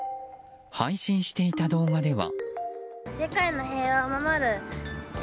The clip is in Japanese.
配信していた動画では。